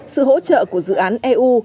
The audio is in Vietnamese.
sự hỗ trợ của dự án eu